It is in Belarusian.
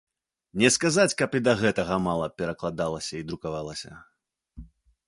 Не сказаць, каб і да гэтага мала перакладалася і друкавалася.